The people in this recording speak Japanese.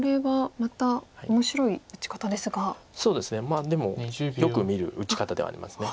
まあでもよく見る打ち方ではあります。